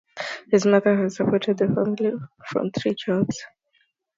His mother had supported the family from three jobs.